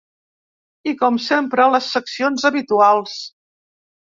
I com sempre les seccions habituals.